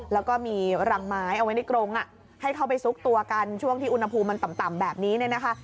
แล้วก็มีรังไม้เอาไว้ในกรงให้เข้าไปซุกตัวกันช่วงที่อุณหภูมิมันต่ำแบบนี้เนี่ยนะคะ